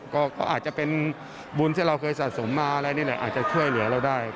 ก็อาจจะเป็นบุญที่เราเคยสะสมมาอะไรนี่แหละอาจจะช่วยเหลือเราได้